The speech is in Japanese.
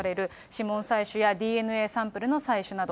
指紋採取やＤＮＡサンプルの採取など。